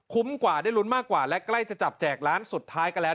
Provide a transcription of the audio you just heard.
กว่าได้ลุ้นมากกว่าและใกล้จะจับแจกร้านสุดท้ายกันแล้ว